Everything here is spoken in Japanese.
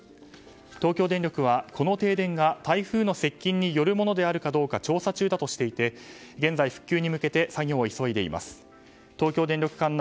東京電力はこの停電が台風の接近によるものであるかどうか調査中だとしていて、現在復旧に向けて作業を急いでいます。